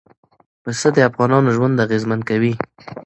پسه د افغانانو ژوند اغېزمن کوي.